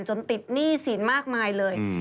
จนติดหนี้สินมากมายเลย